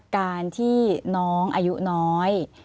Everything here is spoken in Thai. การที่น้องอายุน้อย